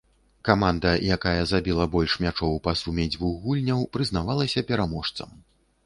Каманда, якая забіла больш мячоў па суме дзвюх гульняў, прызнавалася пераможцам.